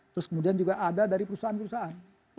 terus kemudian juga ada dari perusahaan perusahaan